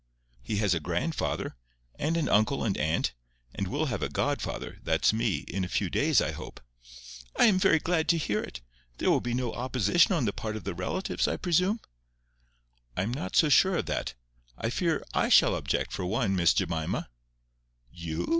"He has a grandfather, and an uncle and aunt, and will have a godfather—that's me—in a few days, I hope." "I am very glad to hear it. There will be no opposition on the part of the relatives, I presume?" "I am not so sure of that. I fear I shall object for one, Miss Jemima." "You?